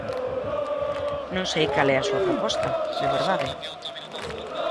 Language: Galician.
Non sei cal é a súa proposta, de verdade.